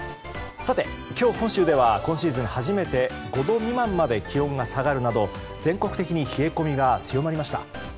今日、本州では今シーズン初めて５度未満まで気温が下がるなど全国的に冷え込みが強まりました。